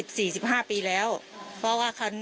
พี่ทีมข่าวของที่รักของ